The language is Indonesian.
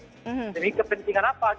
jadi kepentingan apa